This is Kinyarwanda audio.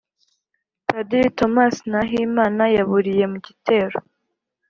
Padiri Thomas Nahimana yaburiye mu gitero